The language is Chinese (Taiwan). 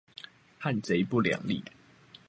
漢賊不兩立